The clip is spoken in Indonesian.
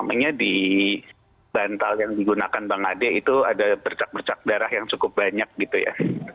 sebenarnya di bantal yang digunakan bang ade itu ada bercak bercak darah yang cukup banyak gitu ya